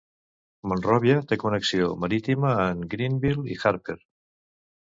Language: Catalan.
Monròvia té connexió marítima amb Greenville i Harper.